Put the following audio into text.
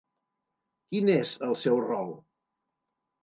Quin és el seu rol?